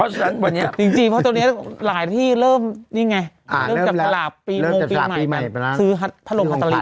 จริงจริงเพราะตอนนี้หลายที่เริ่มนี่ไงเริ่มจับฉลาบปีมงปีใหม่ซื้อพระรมฮัตตาลีดีกว่า